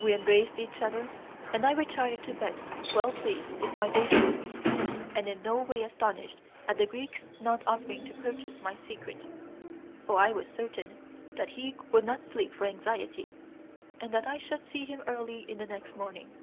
We embraced each other, and I retired to bed well pleased with my day's work, and in no way astonished at the Greek's not offering to purchase my secret, for I was certain that he would not sleep for anxiety, and that I should see him early in the morning.